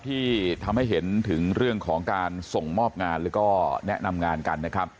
ที่ทำให้เห็นถึงเรื่องของการส่งมอบงานแล้วก็แนะนำงานกันนะครับ